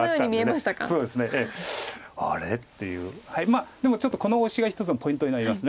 まあでもちょっとこのオシが一つのポイントになります。